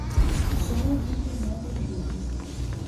som, vídeo, modem, rede